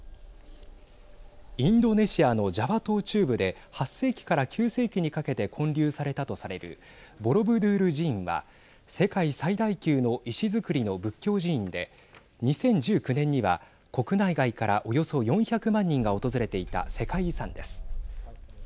インドネシアのジャワ島中部で８世紀から９世紀にかけて建立されたとされるボロブドゥール寺院は世界最大級の石造りの仏教寺院で２０１９年には国内外から、およそ４００万人が訪れていた世界遺産です。